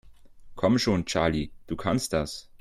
Komm schon, Charlie, du kannst das!